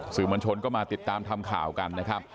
สื่อมวลชนก็มาติดตามทำข่าวกันนะครับ